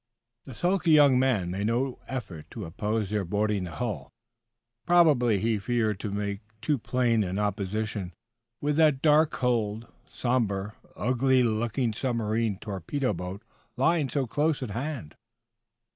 The sulky young man made no effort to oppose their boarding the hull. Probably he feared to make too plain an opposition, with that dark hulled, sombre, ugly looking submarine torpedo boat lying so close at hand.